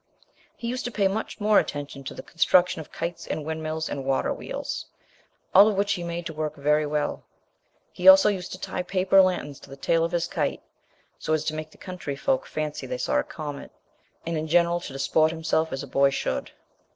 He used to pay much more attention to the construction of kites and windmills and waterwheels, all of which he made to work very well. He also used to tie paper lanterns to the tail of his kite, so as to make the country folk fancy they saw a comet, and in general to disport himself as a boy should.